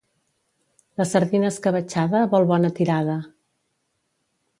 La sardina escabetxada vol bona tirada.